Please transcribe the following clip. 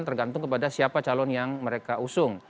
tergantung kepada siapa calon yang mereka usung